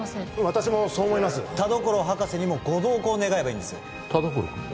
私もそう思います田所博士にもご同行願えばいい田所君も？